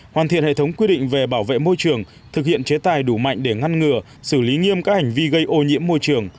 hoàn thiện hệ thống quy định về bảo vệ môi trường thực hiện chế tài đủ mạnh để ngăn ngừa xử lý nghiêm các hành vi gây ô nhiễm môi trường